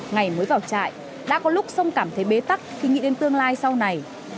ngày mới vào trại đã có lúc sông cảm thấy bế tắc khi nghĩ đến tương lai sau này